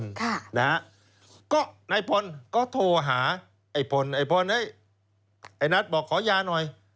ค่ะนะฮะก็นายพลก็โทรหาไอ้พลไอ้พลไอ้นัทบอกขอยาหน่อย